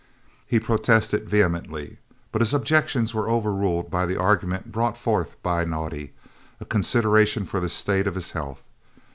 He protested vehemently, but his objections were overruled by the argument brought forward by Naudé, a consideration for the state of his health.